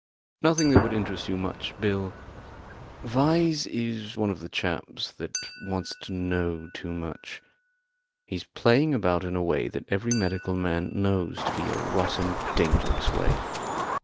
"Nothing that would interest you much, Bill. Vyse is one of the chaps that want to know too much. He's playing about in a way that every medical man knows to be a rotten, dangerous way.